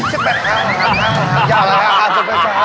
หางยาวอะไรฮะ